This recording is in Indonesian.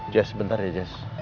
jas sebentar ya jas